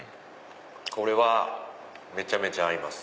これはめちゃめちゃ合います。